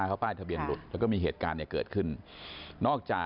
ก็ไปด่าเขาอีกด้วยนะ